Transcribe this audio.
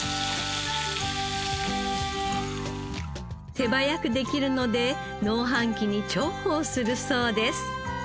手早くできるので農繁期に重宝するそうです。